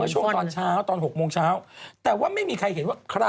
หรอตอนนี้ไดเอ็ดมา